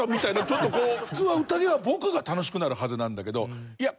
ちょっと普通は宴は僕が楽しくなるはずなんだけどいや